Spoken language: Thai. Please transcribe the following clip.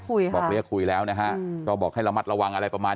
บอกเรียกคุยแล้วนะฮะก็บอกให้ระมัดระวังอะไรประมาณ